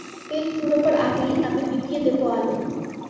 তেল ফুরোবার আগেই আমি নিবিয়ে দেব আলো!